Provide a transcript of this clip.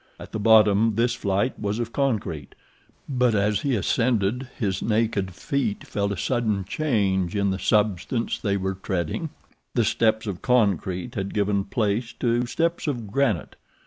At the bottom this flight was of concrete, but as he ascended his naked feet felt a sudden change in the substance they were treading. The steps of concrete had given place to steps of granite.